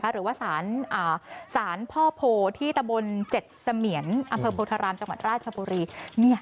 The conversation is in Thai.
หรือว่าสารพ่อโพที่ตะบน๗เสมียนอำเภอโพธารามจังหวัดราชบุรี